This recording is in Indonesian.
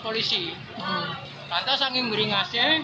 belakangnya ini kan ini